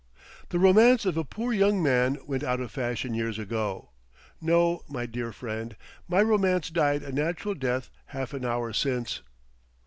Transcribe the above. "The Romance of a Poor Young Man went out of fashion years ago.... No, my dear friend; my Romance died a natural death half an hour since."